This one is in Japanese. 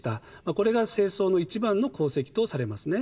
これが世宗の一番の功績とされますね。